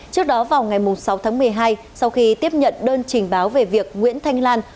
trước đó vào ngày sáu tháng một mươi hai sau khi tiếp nhận đơn trình báo về việc nguyễn thanh lan